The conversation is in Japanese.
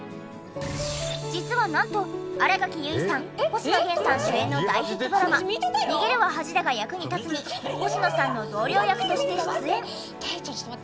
実はなんと新垣結衣さん星野源さん主演の大ヒットドラマ『逃げるは恥だが役に立つ』に星野さんの同僚役として出演。